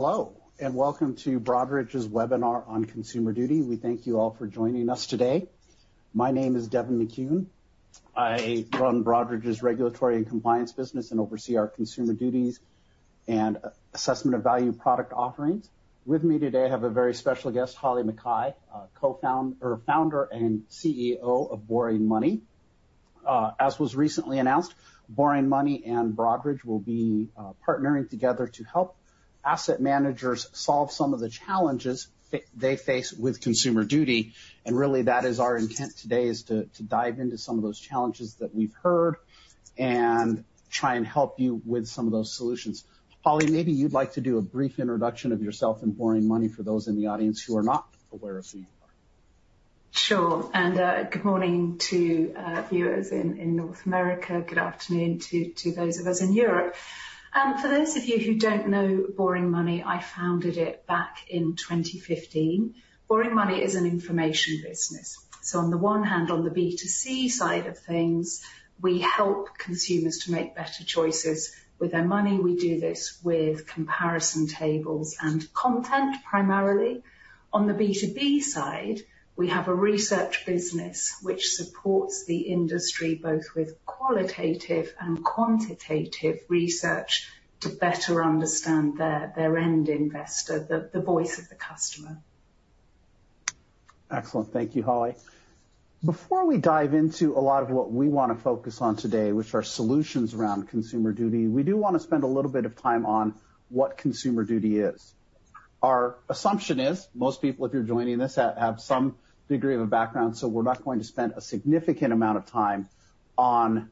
Hello and welcome to Broadridge's webinar on Consumer Duty. We thank you all for joining us today. My name is Devin McCune. I run Broadridge's regulatory and compliance business and oversee our Consumer Duty and Assessment of Value product offerings. With me today I have a very special guest, Holly Mackay, co-founder and CEO of Boring Money. As was recently announced, Boring Money and Broadridge will be partnering together to help asset managers solve some of the challenges they face with Consumer Duty. Really that is our intent today is to dive into some of those challenges that we've heard and try and help you with some of those solutions. Holly, maybe you'd like to do a brief introduction of yourself and Boring Money for those in the audience who are not aware of who you are. Sure. Good morning to viewers in North America. Good afternoon to those of us in Europe. For those of you who don't know Boring Money, I founded it back in 2015. Boring Money is an information business. On the one hand, on the B2C side of things, we help consumers to make better choices with their money. We do this with comparison tables and content primarily. On the B2B side, we have a research business which supports the industry both with qualitative and quantitative research to better understand their end investor, the voice of the customer. Excellent. Thank you, Holly. Before we dive into a lot of what we want to focus on today, which are solutions around Consumer Duty, we do want to spend a little bit of time on what Consumer Duty is. Our assumption is most people, if you're joining this, have some degree of a background, so we're not going to spend a significant amount of time on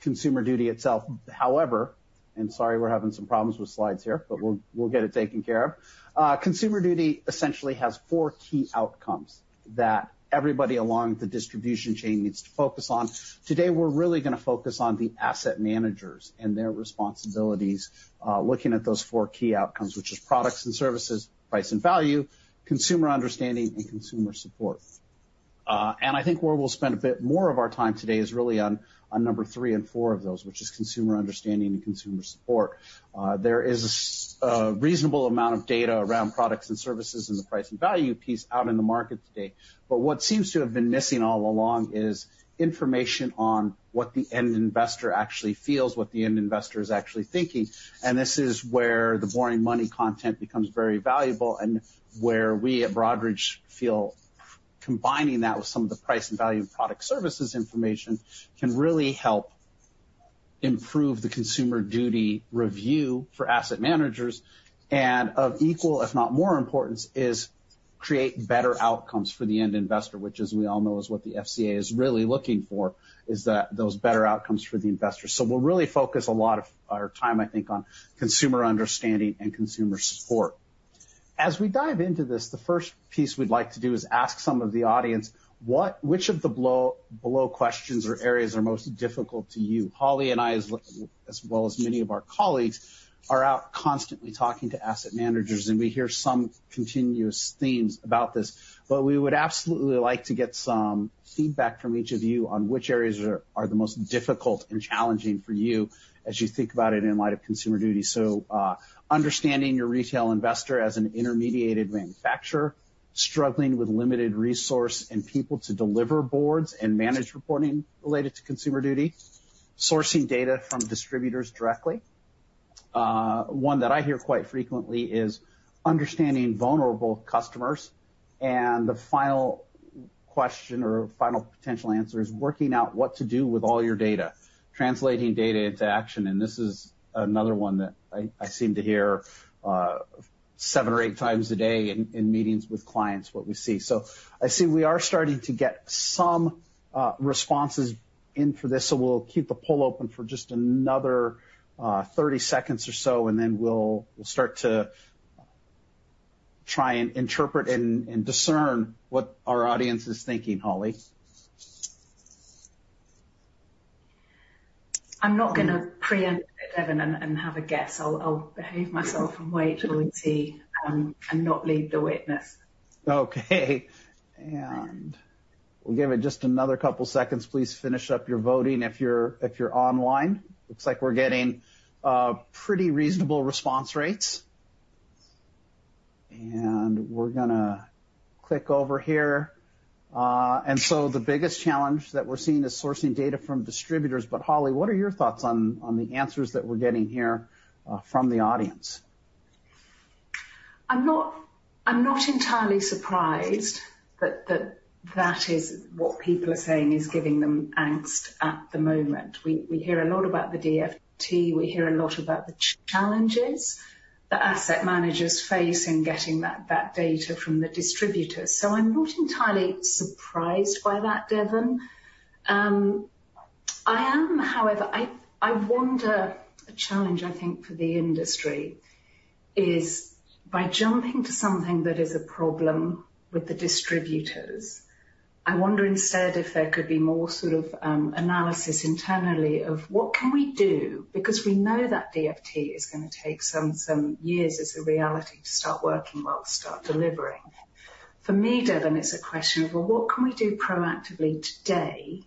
Consumer Duty itself. However, and sorry, we're having some problems with slides here, but we'll get it taken care of. Consumer Duty essentially has four key outcomes that everybody along the distribution chain needs to focus on. Today we're really going to focus on the asset managers and their responsibilities looking at those four key outcomes, which are products and services, price and value, consumer understanding, and consumer support. I think where we'll spend a bit more of our time today is really on numbers 3 and 4 of those, which is consumer understanding and consumer support. There is a reasonable amount of data around products and services and the price and value piece out in the market today. But what seems to have been missing all along is information on what the end investor actually feels, what the end investor is actually thinking. This is where the Boring Money content becomes very valuable and where we at Broadridge feel combining that with some of the price and value and product services information can really help improve the Consumer Duty review for asset managers. And of equal, if not more importance, is create better outcomes for the end investor, which as we all know is what the FCA is really looking for, is those better outcomes for the investor. So we'll really focus a lot of our time, I think, on consumer understanding and consumer support. As we dive into this, the first piece we'd like to do is ask some of the audience, which of the below questions or areas are most difficult to you? Holly and I, as well as many of our colleagues, are out constantly talking to asset managers and we hear some continuous themes about this. But we would absolutely like to get some feedback from each of you on which areas are the most difficult and challenging for you as you think about it in light of Consumer Duty. So understanding your Retail Investor as an Intermediated Manufacturer struggling with limited resource and people to deliver boards and manage reporting related to Consumer Duty, sourcing data from distributors directly. One that I hear quite frequently is understanding Vulnerable Customers. And the final question or final potential answer is working out what to do with all your data, translating data into action. And this is another one that I seem to hear seven or eight times a day in meetings with clients what we see. So I see we are starting to get some responses in for this. So we'll keep the poll open for just another 30 seconds or so and then we'll start to try and interpret and discern what our audience is thinking, Holly. I'm not going to preempt it, Devin, and have a guess. I'll behave myself and wait and not lead the witness. Okay. We'll give it just another couple seconds, please, finish up your voting if you're online. Looks like we're getting pretty reasonable response rates. We're going to click over here. And so the biggest challenge that we're seeing is sourcing data from distributors. But Holly, what are your thoughts on the answers that we're getting here from the audience? I'm not entirely surprised that that is what people are saying is giving them angst at the moment. We hear a lot about the DFT. We hear a lot about the challenges that asset managers face in getting that data from the distributors. So I'm not entirely surprised by that, Devin. I am, however I wonder a challenge, I think, for the industry is by jumping to something that is a problem with the distributors, I wonder instead if there could be more sort of analysis internally of what can we do because we know that DFT is going to take some years as a reality to start working while we start delivering. For me, Devin, it's a question of, "Well, what can we do proactively today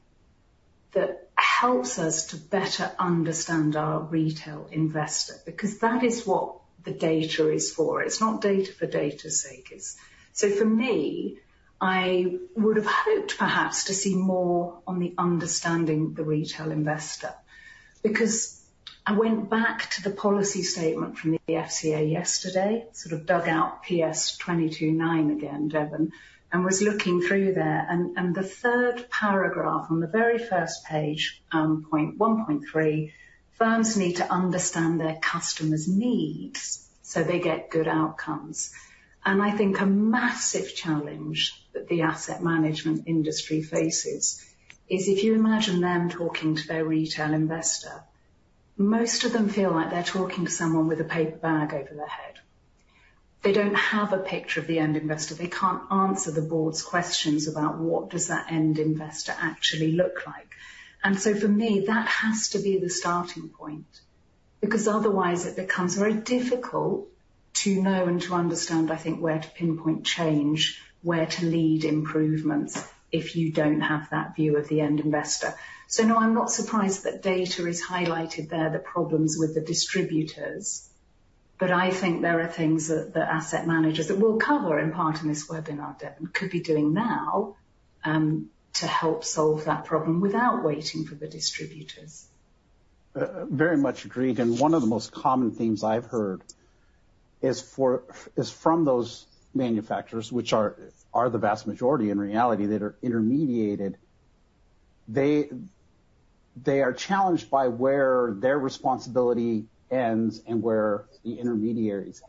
that helps us to better understand our retail investor?" Because that is what the data is for. It's not data for data's sake. So for me, I would have hoped perhaps to see more on the understanding of the retail investor because I went back to the policy statement from the FCA yesterday, sort of dug out PS22/9 again, Devin, and was looking through there. And the third paragraph on the very first page, point 1.3, firms need to understand their customers' needs so they get good outcomes. And I think a massive challenge that the asset management industry faces is if you imagine them talking to their retail investor, most of them feel like they're talking to someone with a paper bag over their head. They don't have a picture of the end investor. They can't answer the board's questions about what does that end investor actually look like. So for me, that has to be the starting point because otherwise it becomes very difficult to know and to understand, I think, where to pinpoint change, where to lead improvements if you don't have that view of the end investor. No, I'm not surprised that data is highlighted there, the problems with the distributors. I think there are things that asset managers that we'll cover in part in this webinar, Devin, could be doing now to help solve that problem without waiting for the distributors. Very much agreed. One of the most common themes I've heard is from those manufacturers, which are the vast majority in reality, that are intermediated. They are challenged by where their responsibility ends and where the intermediary's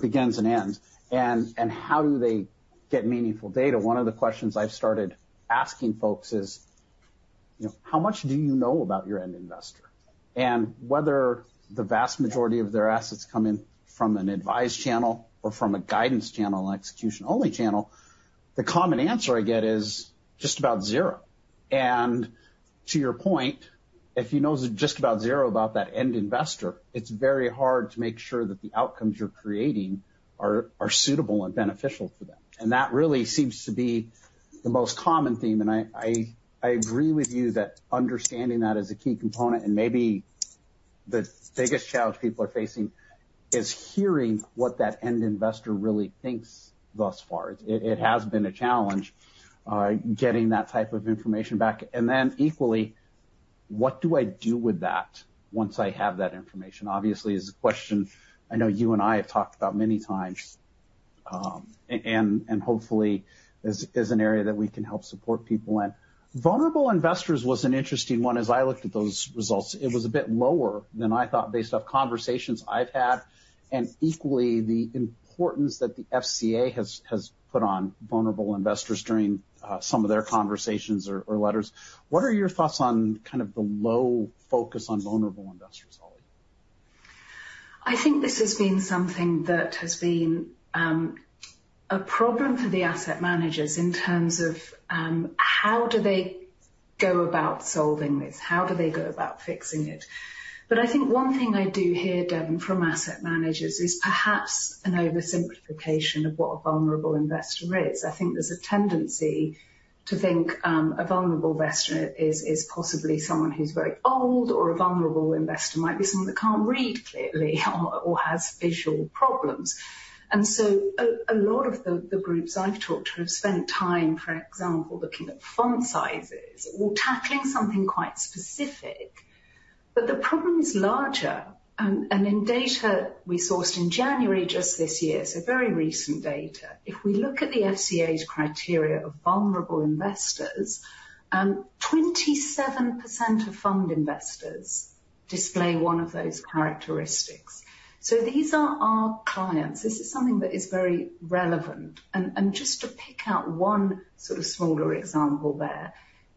begins and ends. And how do they get meaningful data? One of the questions I've started asking folks is, "How much do you know about your end investor?" And whether the vast majority of their assets come in from an advised channel or from a guidance channel, an execution-only channel, the common answer I get is just about zero. And to your point, if you know just about zero about that end investor, it's very hard to make sure that the outcomes you're creating are suitable and beneficial for them. And that really seems to be the most common theme. And I agree with you that understanding that is a key component. Maybe the biggest challenge people are facing is hearing what that end investor really thinks thus far. It has been a challenge getting that type of information back. And then equally, what do I do with that once I have that information? Obviously, it's a question I know you and I have talked about many times and hopefully is an area that we can help support people in. Vulnerable investors was an interesting one. As I looked at those results, it was a bit lower than I thought based off conversations I've had. And equally, the importance that the FCA has put on vulnerable investors during some of their conversations or letters, what are your thoughts on kind of the low focus on vulnerable investors, Holly? I think this has been something that has been a problem for the asset managers in terms of how do they go about solving this? How do they go about fixing it? But I think one thing I do hear, Devin, from asset managers is perhaps an oversimplification of what a vulnerable investor is. I think there's a tendency to think a vulnerable investor is possibly someone who's very old or a vulnerable investor might be someone that can't read clearly or has visual problems. And so a lot of the groups I've talked to have spent time, for example, looking at font sizes or tackling something quite specific. But the problem is larger. And in data we sourced in January just this year, so very recent data, if we look at the FCA's criteria of vulnerable investors, 27% of fund investors display one of those characteristics. So these are our clients. This is something that is very relevant. And just to pick out one sort of smaller example there,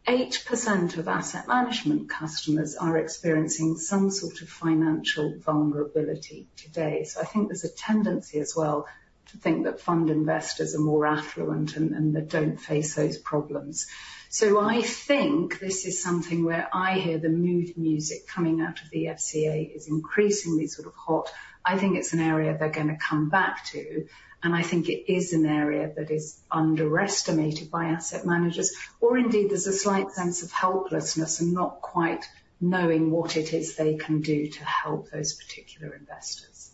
8% of asset management customers are experiencing some sort of financial vulnerability today. So I think there's a tendency as well to think that fund investors are more affluent and they don't face those problems. So I think this is something where I hear the mood music coming out of the FCA is increasingly sort of hot. I think it's an area they're going to come back to. And I think it is an area that is underestimated by asset managers. Or indeed, there's a slight sense of helplessness and not quite knowing what it is they can do to help those particular investors.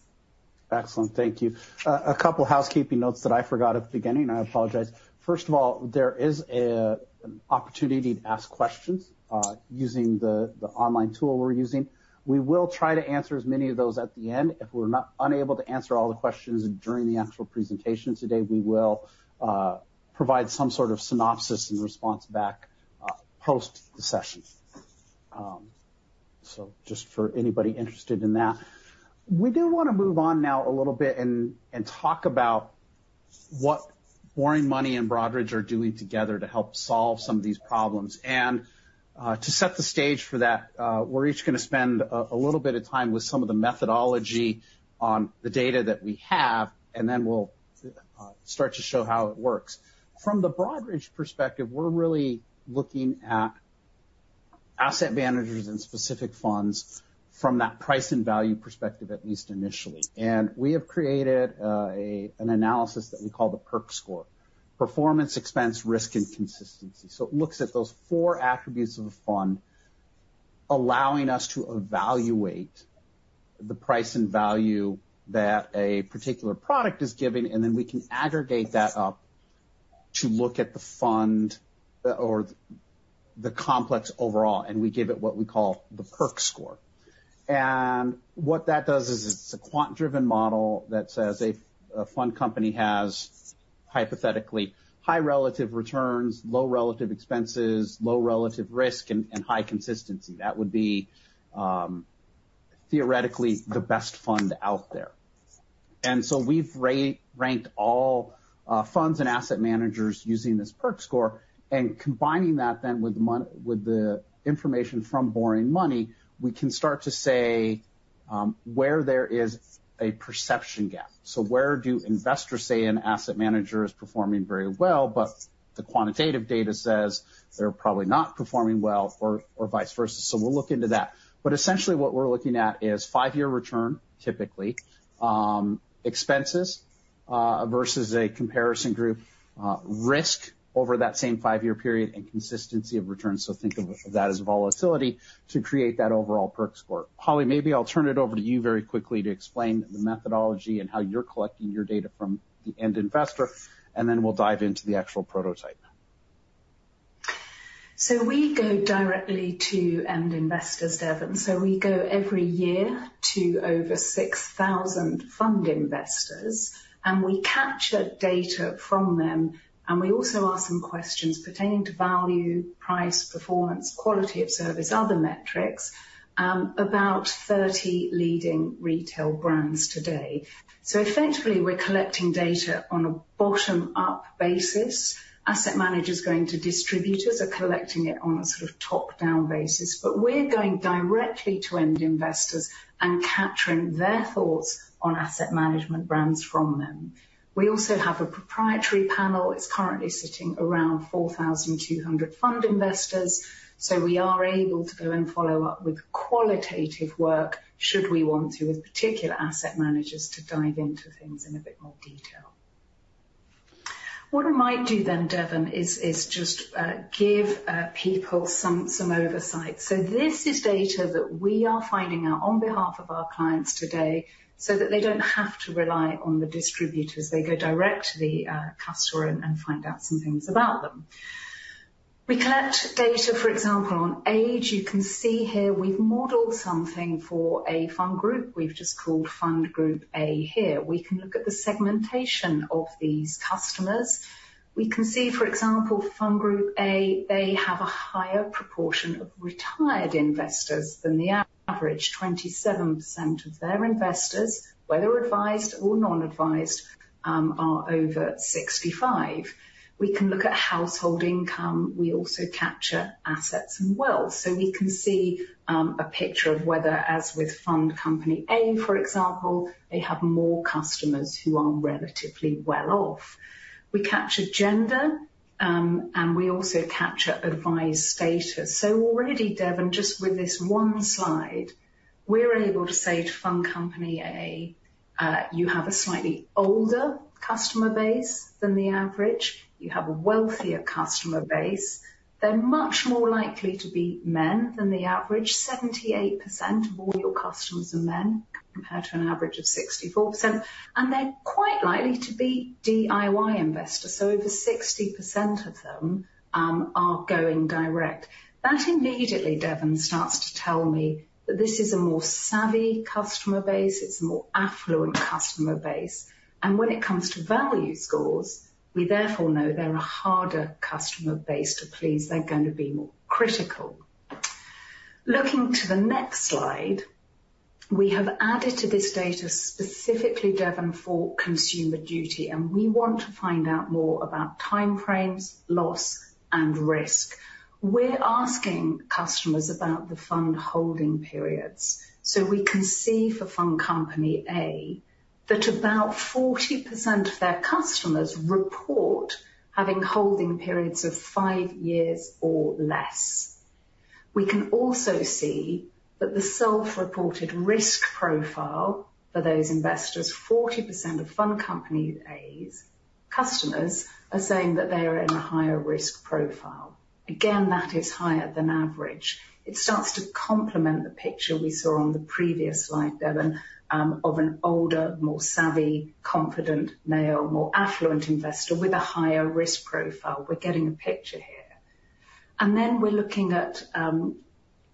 Excellent. Thank you. A couple housekeeping notes that I forgot at the beginning. I apologize. First of all, there is an opportunity to ask questions using the online tool we're using. We will try to answer as many of those at the end. If we're unable to answer all the questions during the actual presentation today, we will provide some sort of synopsis and response back post the session. So just for anybody interested in that. We do want to move on now a little bit and talk about what Boring Money and Broadridge are doing together to help solve some of these problems. And to set the stage for that, we're each going to spend a little bit of time with some of the methodology on the data that we have. And then we'll start to show how it works. From the Broadridge perspective, we're really looking at asset managers and specific funds from that price and value perspective, at least initially. We have created an analysis that we call the PERC Score, performance, expense, risk, and consistency. It looks at those four attributes of a fund allowing us to evaluate the price and value that a particular product is giving. Then we can aggregate that up to look at the fund or the complex overall. We give it what we call the PERC Score. What that does is it's a quant-driven model that says a fund company has hypothetically high relative returns, low relative expenses, low relative risk, and high consistency. That would be theoretically the best fund out there. We've ranked all funds and asset managers using this PERC Score. Combining that then with the information from Boring Money, we can start to say where there is a perception gap. Where do investors say an asset manager is performing very well? The quantitative data says they're probably not performing well or vice versa. We'll look into that. Essentially, what we're looking at is five-year return, typically, expenses versus a comparison group, risk over that same five-year period, and consistency of return. Think of that as volatility to create that overall PERC Score. Holly, maybe I'll turn it over to you very quickly to explain the methodology and how you're collecting your data from the end investor. Then we'll dive into the actual prototype. So we go directly to end investors, Devin. So we go every year to over 6,000 fund investors. And we capture data from them. And we also ask some questions pertaining to value, price, performance, quality of service, other metrics about 30 leading retail brands today. So effectively, we're collecting data on a bottom-up basis. Asset managers going to distributors are collecting it on a sort of top-down basis. But we're going directly to end investors and capturing their thoughts on asset management brands from them. We also have a proprietary panel. It's currently sitting around 4,200 fund investors. So we are able to go and follow up with qualitative work should we want to with particular asset managers to dive into things in a bit more detail. What I might do then, Devin, is just give people some oversight. So this is data that we are finding out on behalf of our clients today so that they don't have to rely on the distributors. They go direct to the customer and find out some things about them. We collect data, for example, on age. You can see here we've modeled something for a fund group we've just called Fund Group A here. We can look at the segmentation of these customers. We can see, for example, Fund Group A, they have a higher proportion of retired investors than the average. 27% of their investors, whether advised or non-advised, are over 65. We can look at household income. We also capture assets and wealth. So we can see a picture of whether, as with Fund Company A, for example, they have more customers who are relatively well off. We capture gender. We also capture advised status. So already, Devin, just with this one slide, we're able to say to Fund Company A, "You have a slightly older customer base than the average. You have a wealthier customer base. They're much more likely to be men than the average. 78% of all your customers are men compared to an average of 64%. And they're quite likely to be DIY investors. So over 60% of them are going direct." That immediately, Devin, starts to tell me that this is a more savvy customer base. It's a more affluent customer base. And when it comes to value scores, we therefore know they're a harder customer base to please. They're going to be more critical. Looking to the next slide, we have added to this data specifically, Devin, for Consumer Duty. And we want to find out more about time frames, loss, and risk. We're asking customers about the fund holding periods. We can see for Fund Company A that about 40% of their customers report having holding periods of five years or less. We can also see that the self-reported risk profile for those investors, 40% of Fund Company A's customers, are saying that they are in a higher risk profile. Again, that is higher than average. It starts to complement the picture we saw on the previous slide, Devin, of an older, more savvy, confident male, more affluent investor with a higher risk profile. We're getting a picture here. Then we're looking at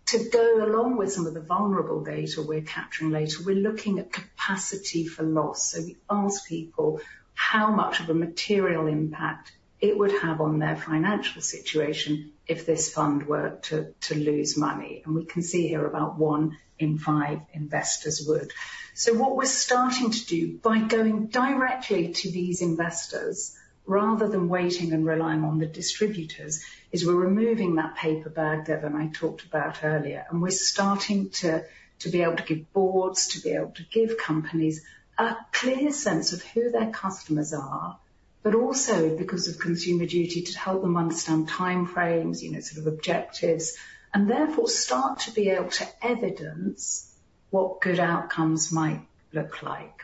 to go along with some of the vulnerable data we're capturing later, we're looking at capacity for loss. We ask people how much of a material impact it would have on their financial situation if this fund were to lose money. We can see here about one in five investors would. So what we're starting to do by going directly to these investors rather than waiting and relying on the distributors is we're removing that paper bag, Devin, I talked about earlier. And we're starting to be able to give boards, to be able to give companies a clear sense of who their customers are, but also because of Consumer Duty, to help them understand time frames, sort of objectives, and therefore start to be able to evidence what good outcomes might look like.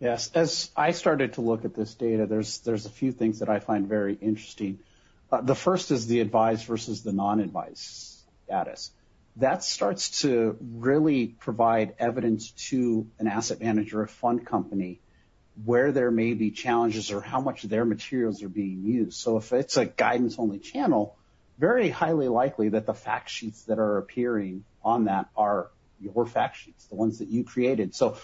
Yes. As I started to look at this data, there's a few things that I find very interesting. The first is the advised versus the non-advised status. That starts to really provide evidence to an asset manager of fund company where there may be challenges or how much of their materials are being used. So if it's a guidance-only channel, very highly likely that the fact sheets that are appearing on that are your fact sheets, the ones that you created. So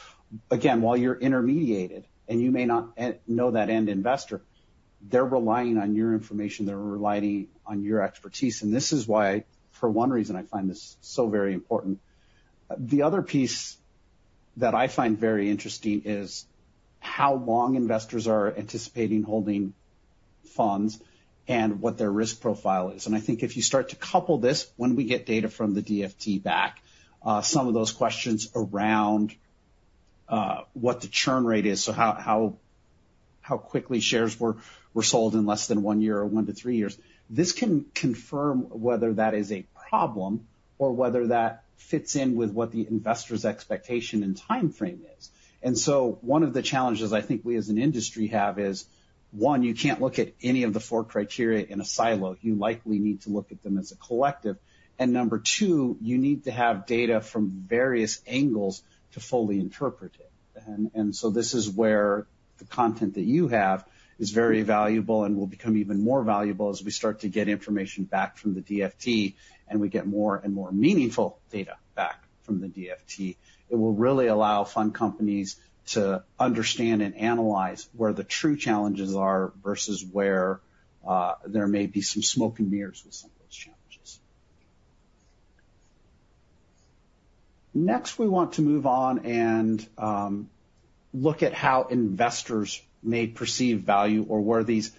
again, while you're intermediated and you may not know that end investor, they're relying on your information. They're relying on your expertise. And this is why, for one reason, I find this so very important. The other piece that I find very interesting is how long investors are anticipating holding funds and what their risk profile is. I think if you start to couple this, when we get data from the DFT back, some of those questions around what the churn rate is, so how quickly shares were sold in less than 1 year or 1-3 years, this can confirm whether that is a problem or whether that fits in with what the investor's expectation and time frame is. So one of the challenges I think we as an industry have is, one, you can't look at any of the four criteria in a silo. You likely need to look at them as a collective. And number two, you need to have data from various angles to fully interpret it. And so this is where the content that you have is very valuable and will become even more valuable as we start to get information back from the DFT. We get more and more meaningful data back from the DFT. It will really allow fund companies to understand and analyze where the true challenges are versus where there may be some smoke and mirrors with some of those challenges. Next, we want to move on and look at how investors may perceive value or where these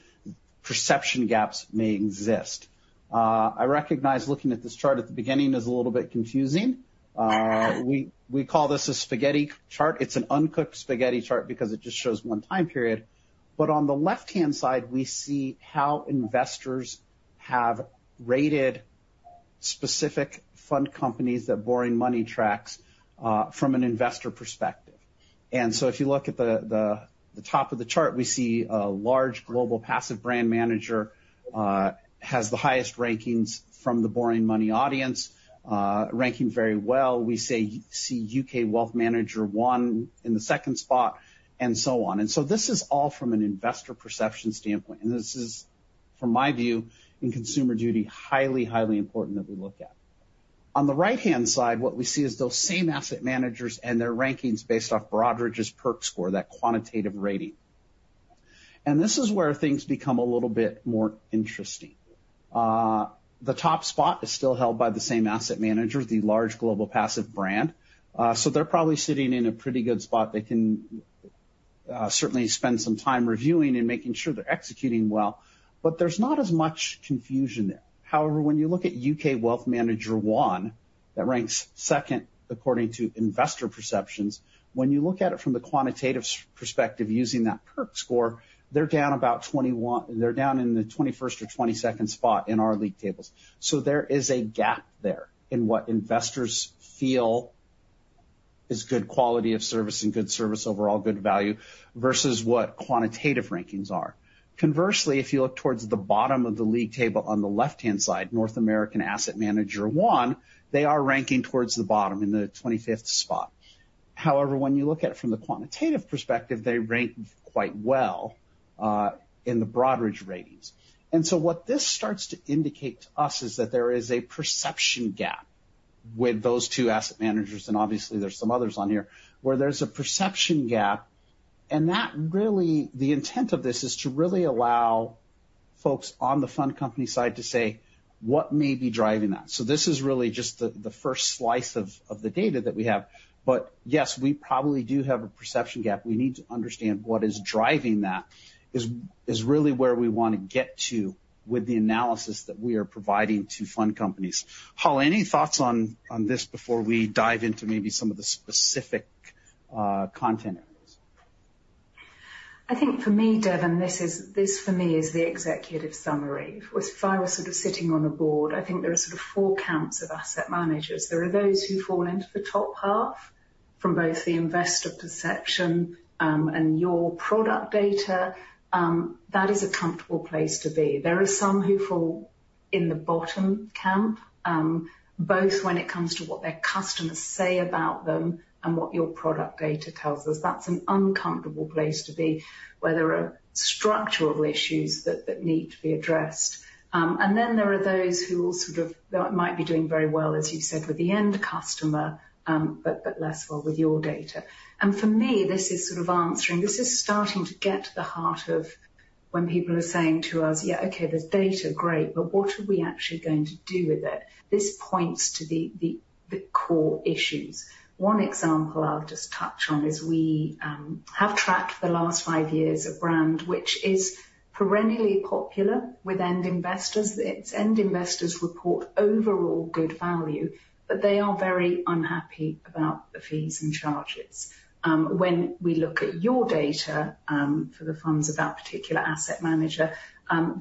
perception gaps may exist. I recognize looking at this chart at the beginning is a little bit confusing. We call this a spaghetti chart. It's an uncooked spaghetti chart because it just shows one time period. But on the left-hand side, we see how investors have rated specific fund companies that Boring Money tracks from an investor perspective. And so if you look at the top of the chart, we see a large global passive brand manager has the highest rankings from the Boring Money audience, ranking very well. We see UK Wealth Manager One in the second spot and so on. So this is all from an investor perception standpoint. And this is, from my view, in Consumer Duty, highly, highly important that we look at. On the right-hand side, what we see is those same asset managers and their rankings based off Broadridge's PERC Score, that quantitative rating. And this is where things become a little bit more interesting. The top spot is still held by the same asset manager, the large global passive brand. So they're probably sitting in a pretty good spot. They can certainly spend some time reviewing and making sure they're executing well. But there's not as much confusion there. However, when you look at UK Wealth Manager One that ranks second according to investor perceptions, when you look at it from the quantitative perspective using that PERC Score, they're down about 21 they're down in the 21st or 22nd spot in our league tables. So there is a gap there in what investors feel is good quality of service and good service overall, good value versus what quantitative rankings are. Conversely, if you look towards the bottom of the league table on the left-hand side, North American Asset Manager One, they are ranking towards the bottom in the 25th spot. However, when you look at it from the quantitative perspective, they rank quite well in the Broadridge ratings. And so what this starts to indicate to us is that there is a perception gap with those two asset managers. Obviously, there's some others on here where there's a perception gap. The intent of this is to really allow folks on the fund company side to say what may be driving that. This is really just the first slice of the data that we have. Yes, we probably do have a perception gap. We need to understand what is driving that is really where we want to get to with the analysis that we are providing to fund companies. Holly, any thoughts on this before we dive into maybe some of the specific content areas? I think for me, Devin, this for me is the executive summary. If I were sort of sitting on a board, I think there are sort of four camps of asset managers. There are those who fall into the top half from both the investor perception and your product data. That is a comfortable place to be. There are some who fall in the bottom camp, both when it comes to what their customers say about them and what your product data tells us. That's an uncomfortable place to be where there are structural issues that need to be addressed. And then there are those who will sort of might be doing very well, as you said, with the end customer but less well with your data. And for me, this is sort of answering. This is starting to get to the heart of when people are saying to us, "Yeah, okay, there's data. Great. But what are we actually going to do with it?" This points to the core issues. One example I'll just touch on is we have tracked for the last five years a brand which is perennially popular with end investors. Its end investors report overall good value. But they are very unhappy about the fees and charges. When we look at your data for the funds of that particular asset manager,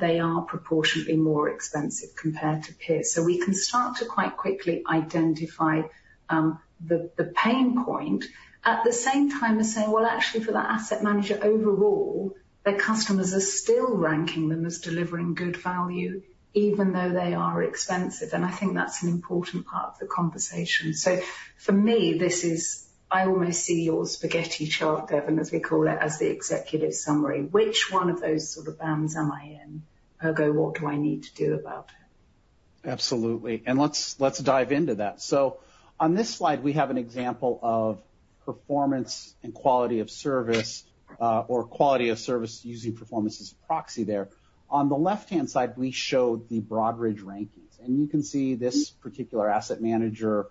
they are proportionately more expensive compared to peers. So we can start to quite quickly identify the pain point at the same time as saying, "Well, actually, for that asset manager overall, their customers are still ranking them as delivering good value even though they are expensive." And I think that's an important part of the conversation. So for me, this is, I almost see your spaghetti chart, Devin, as we call it, as the executive summary. Which one of those sort of bands am I in? Ergo, what do I need to do about it? Absolutely. And let's dive into that. So on this slide, we have an example of performance and quality of service or quality of service using performance as a proxy there. On the left-hand side, we show the Broadridge rankings. And you can see this particular asset manager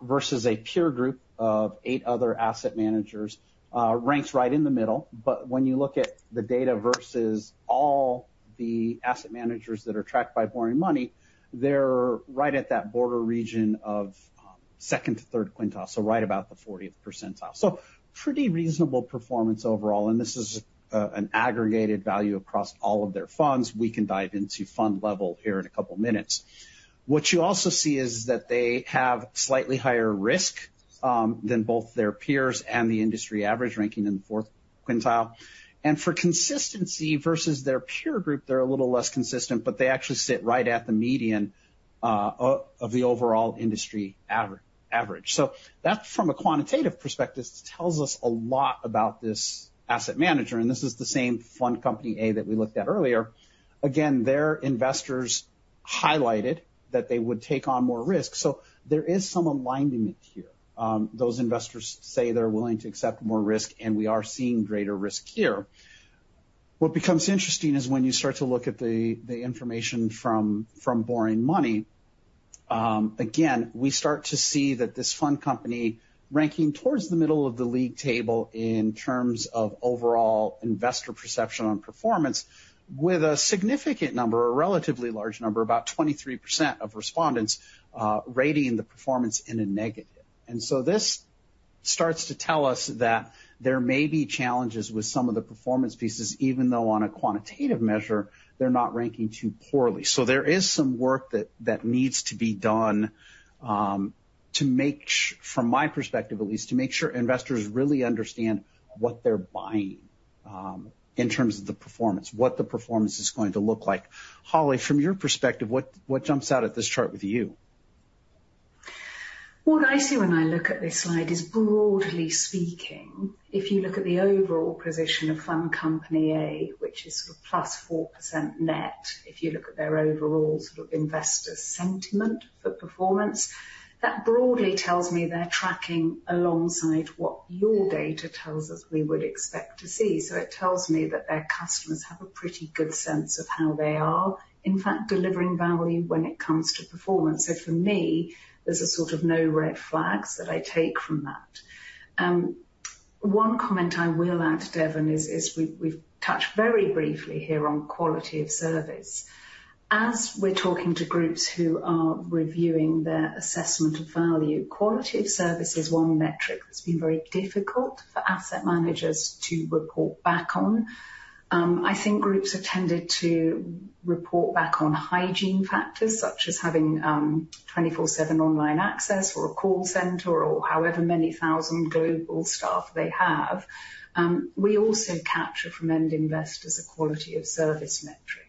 versus a peer group of 8 other asset managers ranks right in the middle. But when you look at the data versus all the asset managers that are tracked by Boring Money, they're right at that border region of second to third quintile, so right about the 40th percentile. So pretty reasonable performance overall. And this is an aggregated value across all of their funds. We can dive into fund level here in a couple of minutes. What you also see is that they have slightly higher risk than both their peers and the industry average ranking in the fourth quintile. For consistency versus their peer group, they're a little less consistent. But they actually sit right at the median of the overall industry average. So that, from a quantitative perspective, tells us a lot about this asset manager. And this is the same Fund Company A that we looked at earlier. Again, their investors highlighted that they would take on more risk. So there is some alignment here. Those investors say they're willing to accept more risk. And we are seeing greater risk here. What becomes interesting is when you start to look at the information from Boring Money, again, we start to see that this fund company ranking towards the middle of the league table in terms of overall investor perception on performance with a significant number, a relatively large number, about 23% of respondents rating the performance in a negative. And so this starts to tell us that there may be challenges with some of the performance pieces even though on a quantitative measure, they're not ranking too poorly. So there is some work that needs to be done from my perspective at least to make sure investors really understand what they're buying in terms of the performance, what the performance is going to look like. Holly, from your perspective, what jumps out at this chart with you? What I see when I look at this slide is, broadly speaking, if you look at the overall position of Fund Company A, which is sort of +4% net if you look at their overall sort of investor sentiment for performance, that broadly tells me they're tracking alongside what your data tells us we would expect to see. So it tells me that their customers have a pretty good sense of how they are, in fact, delivering value when it comes to performance. So for me, there's a sort of no red flags that I take from that. One comment I will add, Devin, is we've touched very briefly here on quality of service. As we're talking to groups who are reviewing their assessment of value, quality of service is one metric that's been very difficult for asset managers to report back on. I think groups have tended to report back on hygiene factors such as having 24/7 online access or a call center or however many thousand global staff they have. We also capture from end investors a quality of service metric.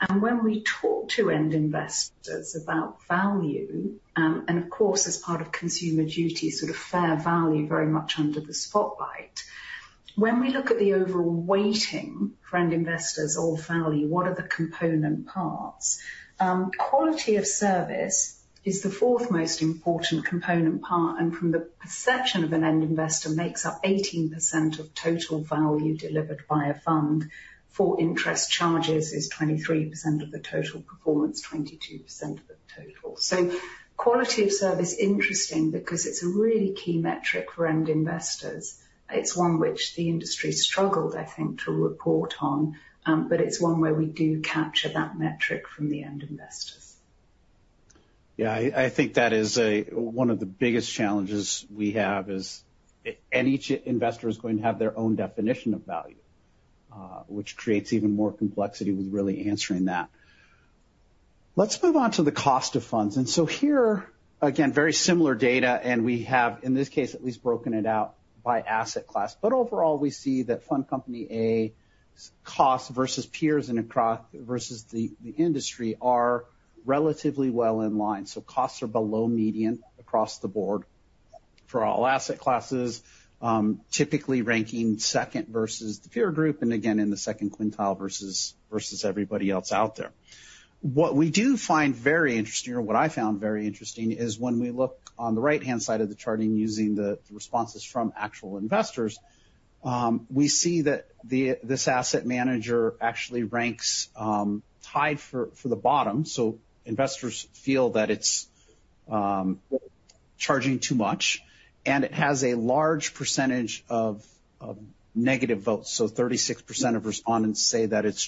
And when we talk to end investors about value and, of course, as part of Consumer Duty, sort of fair value very much under the spotlight, when we look at the overall weighting for end investors of value, what are the component parts? Quality of service is the fourth most important component part. And from the perception of an end investor, makes up 18% of total value delivered by a fund. For interest charges, is 23% of the total, performance 22% of the total. So quality of service is interesting because it's a really key metric for end investors. It's one which the industry struggled, I think, to report on. But it's one where we do capture that metric from the end investors. Yeah. I think that is one of the biggest challenges we have is any investor is going to have their own definition of value, which creates even more complexity with really answering that. Let's move on to the cost of funds. So here, again, very similar data. We have, in this case, at least broken it out by asset class. But overall, we see that Fund Company A's cost versus peers and across versus the industry are relatively well in line. So costs are below median across the board for all asset classes, typically ranking second versus the peer group and, again, in the second quintile versus everybody else out there. What we do find very interesting or what I found very interesting is when we look on the right-hand side of the charting using the responses from actual investors, we see that this asset manager actually ranks tied for the bottom. So investors feel that it's charging too much. And it has a large percentage of negative votes. So 36% of respondents say that its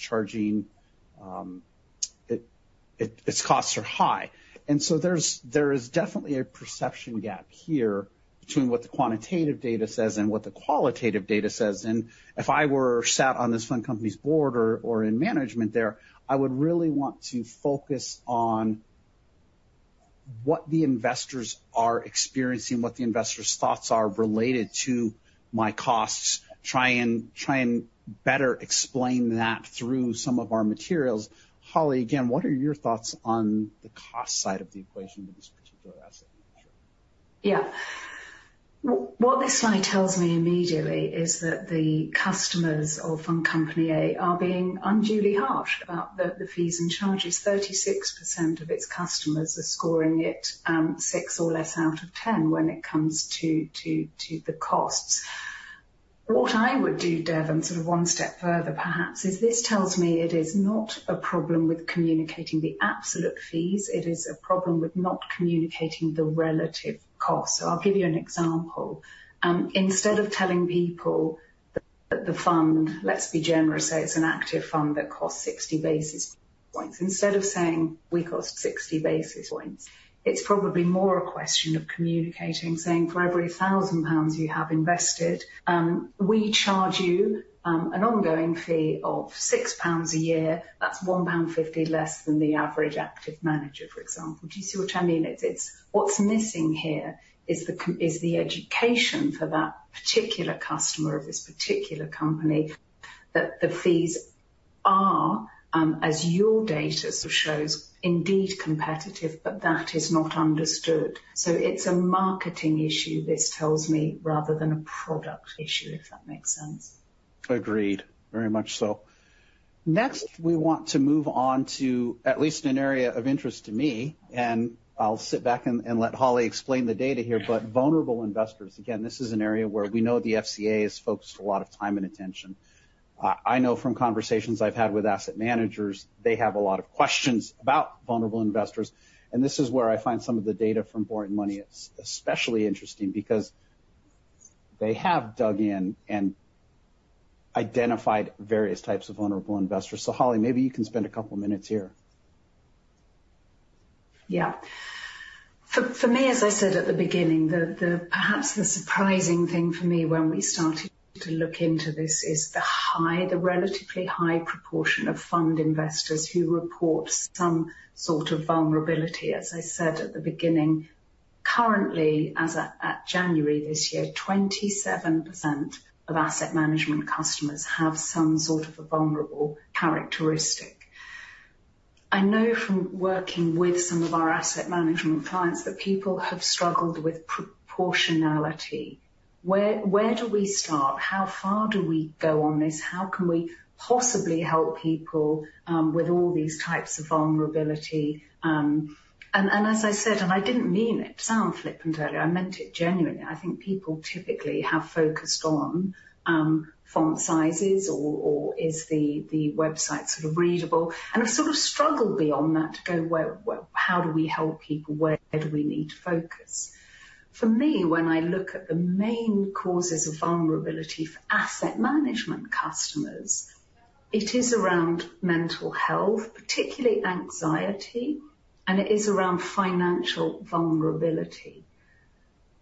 costs are high. And so there is definitely a perception gap here between what the quantitative data says and what the qualitative data says. And if I were sat on this fund company's board or in management there, I would really want to focus on what the investors are experiencing, what the investors' thoughts are related to my costs, try and better explain that through some of our materials. Holly, again, what are your thoughts on the cost side of the equation with this particular asset manager? Yeah. What this slide tells me immediately is that the customers of Fund Company A are being unduly harsh about the fees and charges. 36% of its customers are scoring it 6 or less out of 10 when it comes to the costs. What I would do, Devin, sort of one step further perhaps, is this tells me it is not a problem with communicating the absolute fees. It is a problem with not communicating the relative costs. So I'll give you an example. Instead of telling people that the fund, let's be generous, say it's an active fund that costs 60 basis points, instead of saying, "We cost 60 basis points," it's probably more a question of communicating, saying, "For every 1,000 pounds you have invested, we charge you an ongoing fee of 6 pounds a year. That's 1.50 pound less than the average active manager," for example. Do you see what I mean? What's missing here is the education for that particular customer of this particular company that the fees are, as your data shows, indeed competitive. But that is not understood. So it's a marketing issue this tells me rather than a product issue, if that makes sense. Agreed. Very much so. Next, we want to move on to at least an area of interest to me. And I'll sit back and let Holly explain the data here. But vulnerable investors, again, this is an area where we know the FCA has focused a lot of time and attention. I know from conversations I've had with asset managers, they have a lot of questions about vulnerable investors. And this is where I find some of the data from Boring Money especially interesting because they have dug in and identified various types of vulnerable investors. So Holly, maybe you can spend a couple of minutes here. Yeah. For me, as I said at the beginning, perhaps the surprising thing for me when we started to look into this is the relatively high proportion of fund investors who report some sort of vulnerability, as I said at the beginning. Currently, at January this year, 27% of asset management customers have some sort of a vulnerable characteristic. I know from working with some of our asset management clients that people have struggled with proportionality. Where do we start? How far do we go on this? How can we possibly help people with all these types of vulnerability? And as I said and I didn't mean it sound flippant earlier. I meant it genuinely. I think people typically have focused on font sizes or is the website sort of readable. And I've sort of struggled beyond that to go, "How do we help people? Where do we need to focus?" For me, when I look at the main causes of vulnerability for asset management customers, it is around mental health, particularly anxiety. It is around financial vulnerability.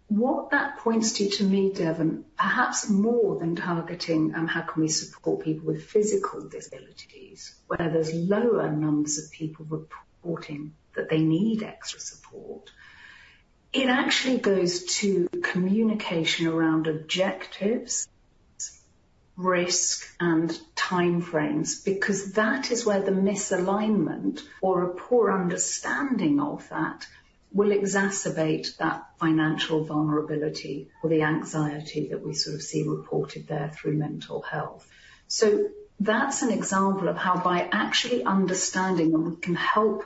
What that points to, to me, Devin, perhaps more than targeting, "How can we support people with physical disabilities?" where there's lower numbers of people reporting that they need extra support, it actually goes to communication around objectives, risk, and time frames because that is where the misalignment or a poor understanding of that will exacerbate that financial vulnerability or the anxiety that we sort of see reported there through mental health. So that's an example of how by actually understanding them, we can help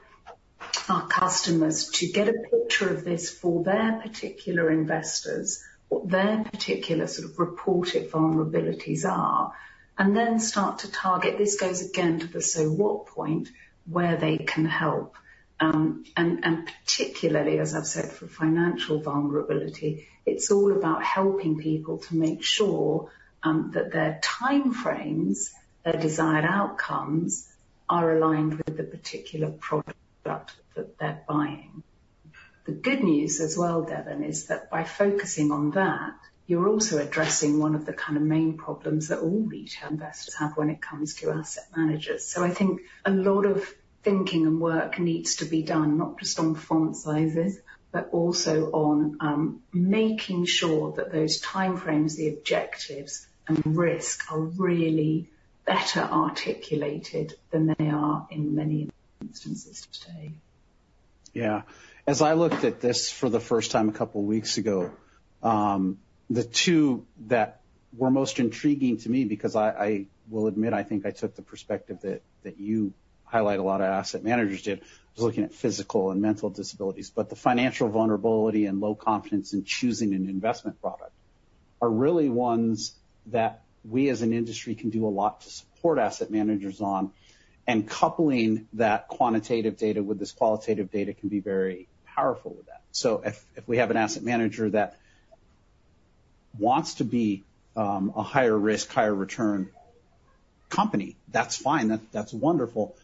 our customers to get a picture of this for their particular investors, what their particular sort of reported vulnerabilities are, and then start to target this. This goes again to the so what point where they can help. And particularly, as I've said, for financial vulnerability, it's all about helping people to make sure that their time frames, their desired outcomes, are aligned with the particular product that they're buying. The good news as well, Devin, is that by focusing on that, you're also addressing one of the kind of main problems that all retail investors have when it comes to asset managers. I think a lot of thinking and work needs to be done not just on font sizes but also on making sure that those time frames, the objectives, and risk are really better articulated than they are in many instances today. Yeah. As I looked at this for the first time a couple of weeks ago, the two that were most intriguing to me because I will admit, I think I took the perspective that you highlight a lot of asset managers did. I was looking at physical and mental disabilities. But the financial vulnerability and low confidence in choosing an investment product are really ones that we, as an industry, can do a lot to support asset managers on. And coupling that quantitative data with this qualitative data can be very powerful with that. So if we have an asset manager that wants to be a higher risk, higher return company, that's fine. That's wonderful.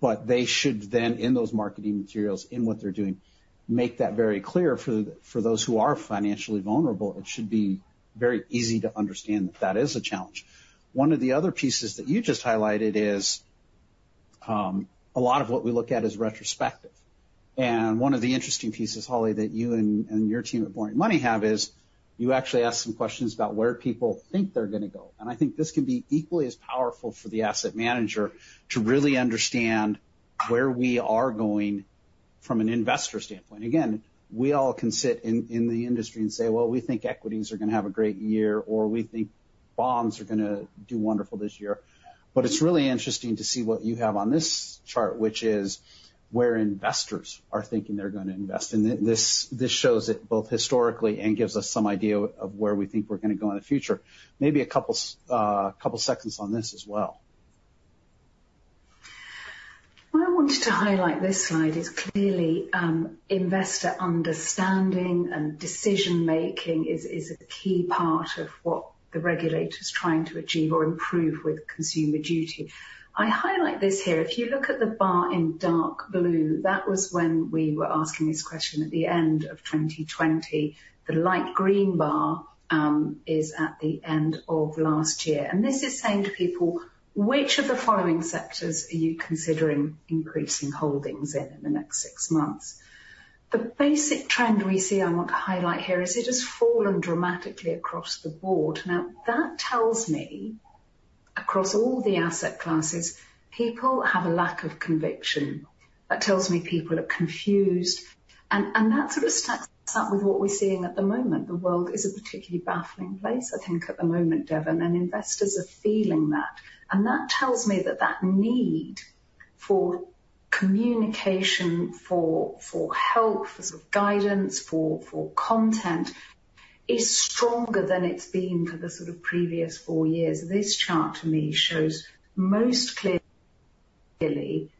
But they should then, in those marketing materials, in what they're doing, make that very clear for those who are financially vulnerable. It should be very easy to understand that that is a challenge. One of the other pieces that you just highlighted is a lot of what we look at is retrospective. One of the interesting pieces, Holly, that you and your team at Boring Money have is you actually ask some questions about where people think they're going to go. I think this can be equally as powerful for the asset manager to really understand where we are going from an investor standpoint. Again, we all can sit in the industry and say, "Well, we think equities are going to have a great year," or, "We think bonds are going to do wonderful this year." But it's really interesting to see what you have on this chart, which is where investors are thinking they're going to invest. This shows it both historically and gives us some idea of where we think we're going to go in the future. Maybe a couple of seconds on this as well. What I wanted to highlight this slide is clearly investor understanding and decision-making is a key part of what the regulator's trying to achieve or improve with Consumer Duty. I highlight this here. If you look at the bar in dark blue, that was when we were asking this question at the end of 2020. The light green bar is at the end of last year. And this is saying to people, "Which of the following sectors are you considering increasing holdings in in the next six months?" The basic trend we see I want to highlight here is it has fallen dramatically across the board. Now, that tells me, across all the asset classes, people have a lack of conviction. That tells me people are confused. And that sort of stacks up with what we're seeing at the moment. The world is a particularly baffling place, I think, at the moment, Devin. And investors are feeling that. And that tells me that that need for communication, for help, for sort of guidance, for content is stronger than it's been for the sort of previous four years. This chart, to me, shows most clearly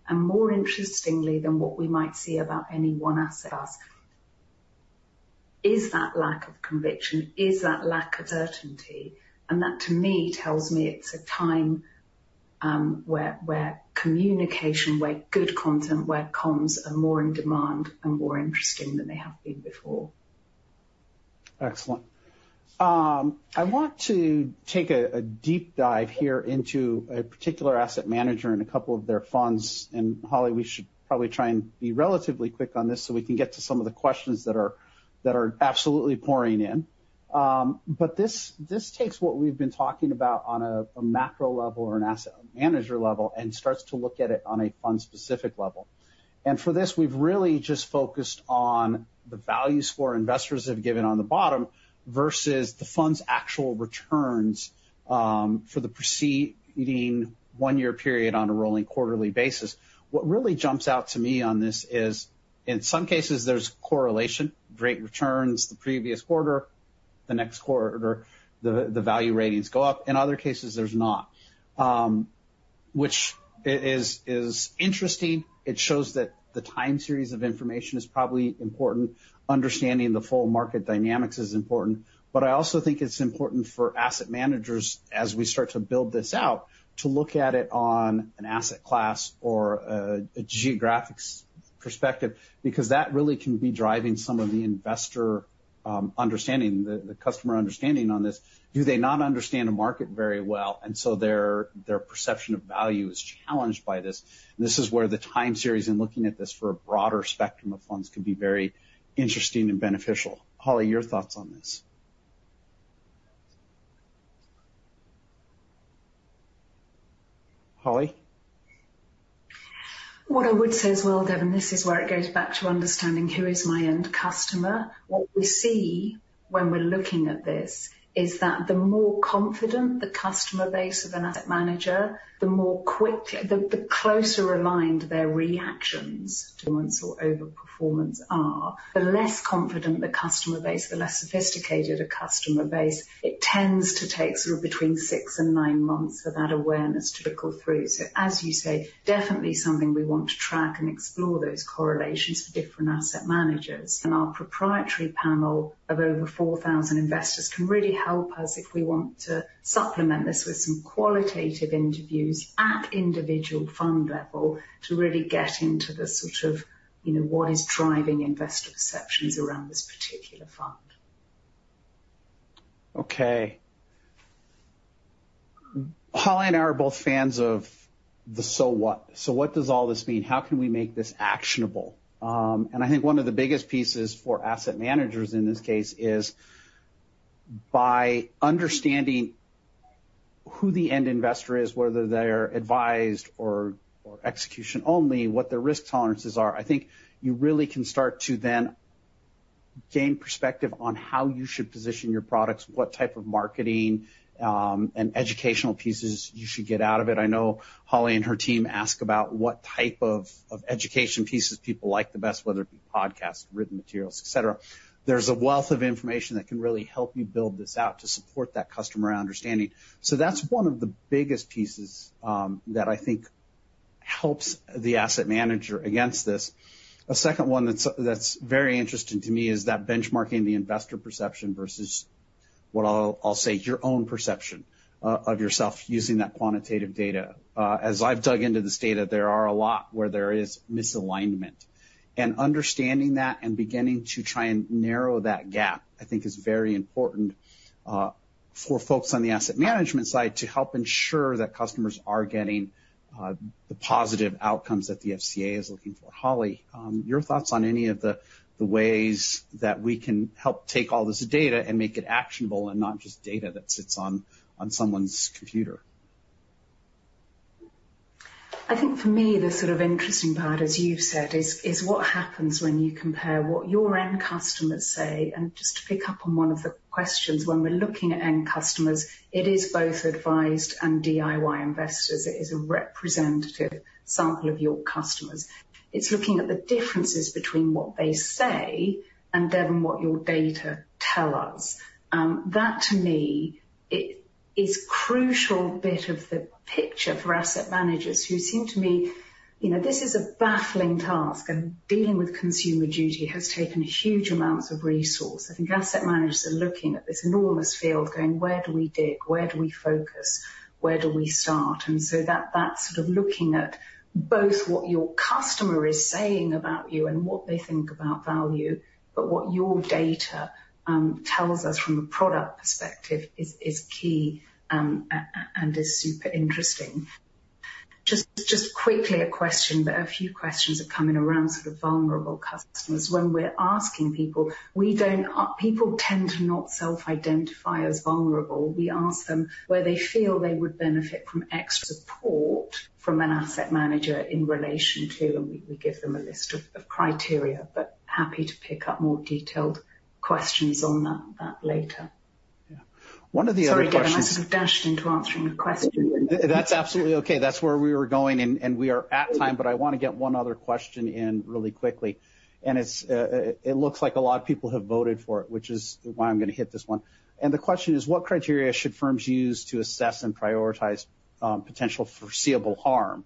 and more interestingly than what we might see about any one asset class is that lack of conviction, is that lack of certainty. And that, to me, tells me it's a time where communication, where good content, where comms are more in demand and more interesting than they have been before. Excellent. I want to take a deep dive here into a particular asset manager and a couple of their funds. Holly, we should probably try and be relatively quick on this so we can get to some of the questions that are absolutely pouring in. This takes what we've been talking about on a macro level or an asset manager level and starts to look at it on a fund-specific level. For this, we've really just focused on the values for investors have given on the bottom versus the fund's actual returns for the preceding one-year period on a rolling quarterly basis. What really jumps out to me on this is, in some cases, there's correlation. Great returns the previous quarter. The next quarter, the value ratings go up. In other cases, there's not, which is interesting. It shows that the time series of information is probably important. Understanding the full market dynamics is important. I also think it's important for asset managers, as we start to build this out, to look at it on an asset class or a geographic perspective because that really can be driving some of the investor understanding, the customer understanding on this. Do they not understand a market very well? And so their perception of value is challenged by this. And this is where the time series and looking at this for a broader spectrum of funds can be very interesting and beneficial. Holly, your thoughts on this? Holly? What I would say as well, Devin, this is where it goes back to understanding who is my end customer. What we see when we're looking at this is that the more confident the customer base of an asset manager, the closer aligned their reactions to performance or overperformance are, the less confident the customer base, the less sophisticated a customer base, it tends to take sort of between 6 and 9 months for that awareness to trickle through. So, as you say, definitely something we want to track and explore those correlations for different asset managers. And our proprietary panel of over 4,000 investors can really help us if we want to supplement this with some qualitative interviews at individual fund level to really get into the sort of what is driving investor perceptions around this particular fund. Okay. Holly and I are both fans of the so what. So what does all this mean? How can we make this actionable? And I think one of the biggest pieces for asset managers in this case is by understanding who the end investor is, whether they're advised or execution only, what their risk tolerances are. I think you really can start to then gain perspective on how you should position your products, what type of marketing and educational pieces you should get out of it. I know Holly and her team ask about what type of education pieces people like the best, whether it be podcasts, written materials, etc. There's a wealth of information that can really help you build this out to support that customer understanding. So that's one of the biggest pieces that I think helps the asset manager against this. A second one that's very interesting to me is that benchmarking the investor perception versus what I'll say, your own perception of yourself using that quantitative data. As I've dug into this data, there are a lot where there is misalignment. And understanding that and beginning to try and narrow that gap, I think, is very important for folks on the asset management side to help ensure that customers are getting the positive outcomes that the FCA is looking for. Holly, your thoughts on any of the ways that we can help take all this data and make it actionable and not just data that sits on someone's computer? I think, for me, the sort of interesting part, as you've said, is what happens when you compare what your end customers say. Just to pick up on one of the questions, when we're looking at end customers, it is both advised and DIY investors. It is a representative sample of your customers. It's looking at the differences between what they say and, Devin, what your data tell us. That, to me, is a crucial bit of the picture for asset managers who seem to me this is a baffling task. Dealing with Consumer Duty has taken huge amounts of resource. I think asset managers are looking at this enormous field going, "Where do we dig? Where do we focus? “Where do we start?” And so that's sort of looking at both what your customer is saying about you and what they think about value, but what your data tells us from a product perspective is key and is super interesting. Just quickly, a few questions are coming around sort of vulnerable customers. When we're asking people, people tend to not self-identify as vulnerable. We ask them where they feel they would benefit from extra support from an asset manager in relation to, and we give them a list of criteria, but happy to pick up more detailed questions on that later. Yeah. One of the other questions. Sorry, Devin. I sort of dashed into answering a question. That's absolutely okay. That's where we were going. And we are at time. But I want to get one other question in really quickly. And it looks like a lot of people have voted for it, which is why I'm going to hit this one. And the question is, what criteria should firms use to assess and prioritize potential foreseeable harm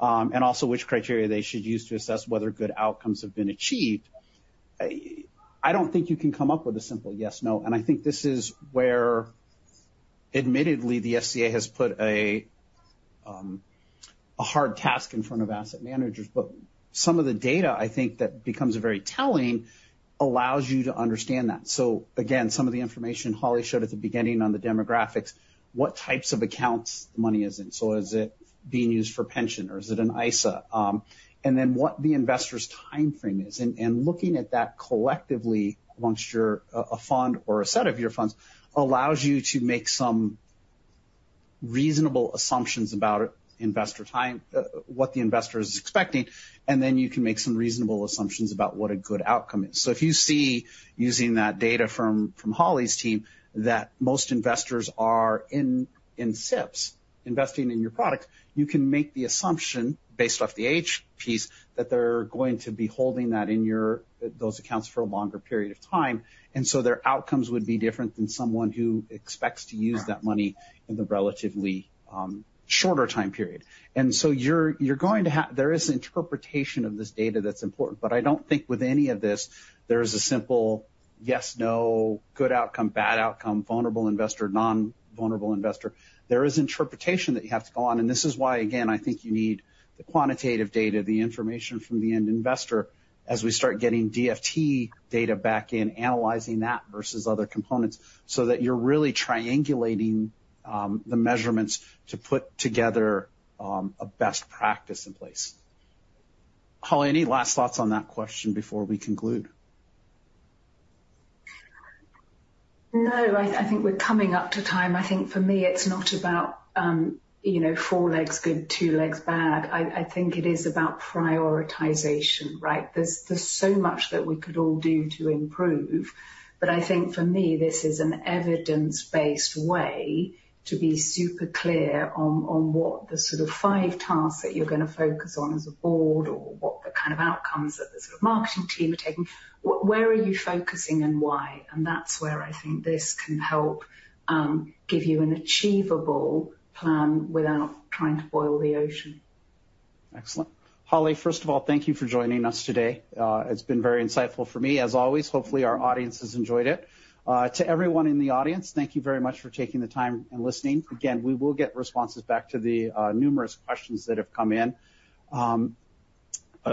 and also which criteria they should use to assess whether good outcomes have been achieved? I don't think you can come up with a simple yes, no. And I think this is where, admittedly, the FCA has put a hard task in front of asset managers. But some of the data, I think, that becomes very telling allows you to understand that. So again, some of the information Holly showed at the beginning on the demographics, what types of accounts the money is in. So is it being used for pension, or is it an ISA? And then what the investor's time frame is. And looking at that collectively amongst a fund or a set of your funds allows you to make some reasonable assumptions about what the investor is expecting. And then you can make some reasonable assumptions about what a good outcome is. So if you see, using that data from Holly's team, that most investors are in SIPPs, investing in your products, you can make the assumption, based off the age piece, that they're going to be holding those accounts for a longer period of time. And so their outcomes would be different than someone who expects to use that money in the relatively shorter time period. And so you're going to have there is an interpretation of this data that's important. But I don't think with any of this, there is a simple yes, no, good outcome, bad outcome, vulnerable investor, non-vulnerable investor. There is interpretation that you have to go on. And this is why, again, I think you need the quantitative data, the information from the end investor as we start getting DFT data back in, analyzing that versus other components so that you're really triangulating the measurements to put together a best practice in place. Holly, any last thoughts on that question before we conclude? No. I think we're coming up to time. I think, for me, it's not about four legs good, two legs bad. I think it is about prioritization, right? There's so much that we could all do to improve. But I think, for me, this is an evidence-based way to be super clear on what the sort of five tasks that you're going to focus on as a board or what the kind of outcomes that the sort of marketing team are taking, where are you focusing and why? And that's where I think this can help give you an achievable plan without trying to boil the ocean. Excellent. Holly, first of all, thank you for joining us today. It's been very insightful for me, as always. Hopefully, our audience has enjoyed it. To everyone in the audience, thank you very much for taking the time and listening. Again, we will get responses back to the numerous questions that have come in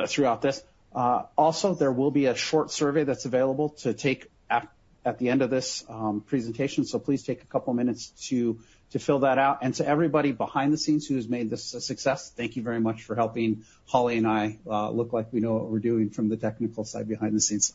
throughout this. Also, there will be a short survey that's available to take at the end of this presentation. So please take a couple of minutes to fill that out. And to everybody behind the scenes who has made this a success, thank you very much for helping Holly and I look like we know what we're doing from the technical side behind the scenes.